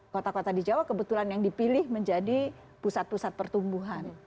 kota kota di jawa kebetulan yang dipilih menjadi pusat pusat pertumbuhan